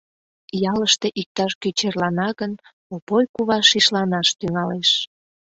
Ялыште иктаж-кӧ черлана гын, Опой кува шишланаш тӱҥалеш: